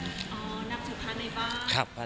อ๋อนับถือพาในบ้าน